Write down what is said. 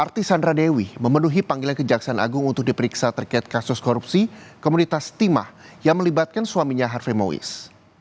artis sandra dewi memenuhi panggilan kejaksaan agung untuk diperiksa terkait kasus korupsi komunitas timah yang melibatkan suaminya harve mois